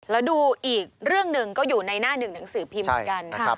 แล้วดูอีกเรื่องหนึ่งก็อยู่ในหน้าหนึ่งหนังสือพิมพ์เหมือนกัน